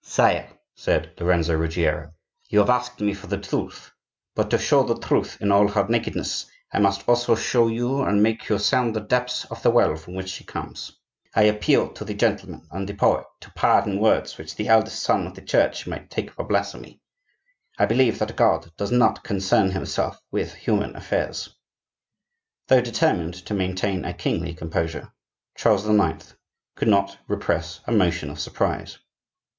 "Sire," said Lorenzo Ruggiero, "you have asked me for the truth; but, to show the truth in all her nakedness, I must also show you and make you sound the depths of the well from which she comes. I appeal to the gentleman and the poet to pardon words which the eldest son of the Church might take for blasphemy,—I believe that God does not concern himself with human affairs." Though determined to maintain a kingly composure, Charles IX. could not repress a motion of surprise.